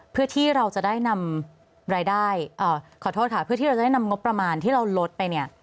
เพื่อที่เราจะได้นำรายได้ขอโทษค่ะเพื่อที่เราจะได้นำงบประมาณที่เราลดไปเนี่ย